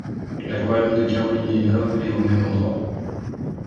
L'aquarium de Caroline du Nord est au même endroit.